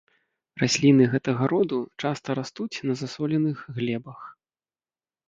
Расліны гэтага роду часта растуць на засоленых глебах.